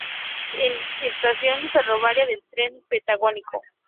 Es estación ferroviaria del Tren Patagónico.